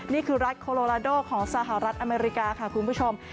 นี่คือรัฐโคโลลาโดของสหรัฐอเมริกาค่ะคุณผู้ชม